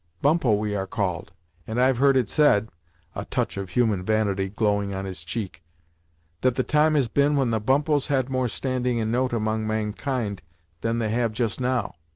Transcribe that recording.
Bumppo we are called, and I've heard it said " a touch of human vanity glowing on his cheek, "that the time has been when the Bumppos had more standing and note among mankind than they have just now."